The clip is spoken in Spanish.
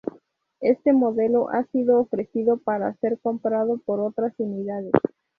Este modelo ha sido ofrecido para ser comprado por otras unidades.